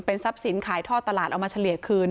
ทรัพย์สินขายท่อตลาดเอามาเฉลี่ยคืน